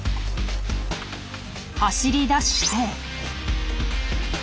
走り出して。